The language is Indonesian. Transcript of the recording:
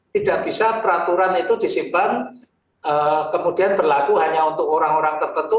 tidak bisa peraturan itu disimpan kemudian berlaku hanya untuk orang orang tertentu